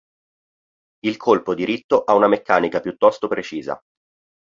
Il colpo diritto ha una meccanica piuttosto precisa.